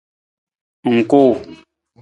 Ng kuu.